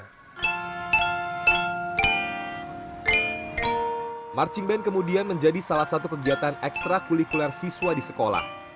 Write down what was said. marching band kemudian menjadi salah satu kegiatan ekstra kulikuler siswa di sekolah